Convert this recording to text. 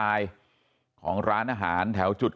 นี่คุณตูนอายุ๓๗ปีนะครับ